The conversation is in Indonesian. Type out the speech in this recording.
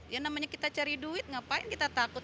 ya namanya kita cari duit ngapain kita takut